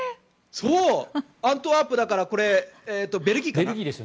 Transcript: アントワープだからベルギーかな。